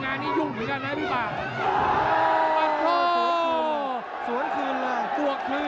เผ่าฝั่งโขงหมดยก๒